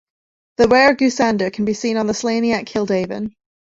The rare goosander can be seen on the Slaney at Kildavin.